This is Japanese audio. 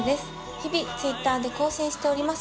日々Ｔｗｉｔｔｅｒで更新しております